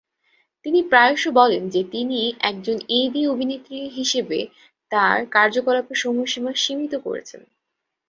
তিনি প্রায়শই বলেন যে, তিনি একজন এভি অভিনেত্রী হিসাবে তার কার্যকলাপের সময়সীমা সীমিত করছেন।